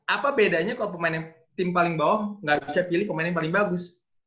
apa bedanya kalau pemain tim paling bawah nggak bisa pilih pemain yang paling bagus